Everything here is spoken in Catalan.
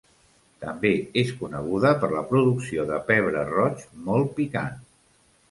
També és coneguda per la producció de pebre roig molt picant.